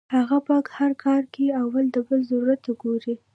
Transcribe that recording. هغه پۀ هر کار کې اول د بل ضرورت ته ګوري -